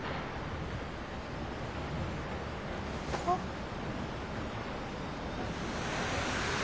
あっ。